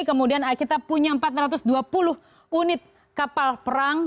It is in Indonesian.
kemudian kita punya empat ratus dua puluh unit kapal perang